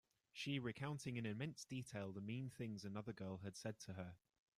She recounting in immense detail the mean things another girl had said to her.